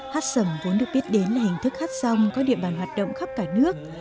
hát sầm vốn được biết đến là hình thức hát song có địa bàn hoạt động khắp cả nước